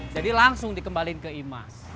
jadi langsung dikembalikan ke imas